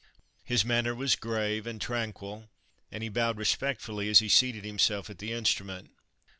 His manner was grave and tranquil, and he bowed respectfully as he seated himself at the instrument.